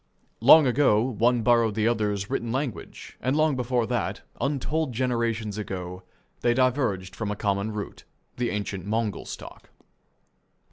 Long ago one borrowed the other's written language, and long before that, untold generations ago, they diverged from a common root, the ancient Mongol stock.